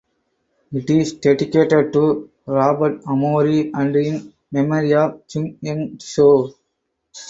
It is dedicated to Robert Amory and in memory of Jung Ying Tsao.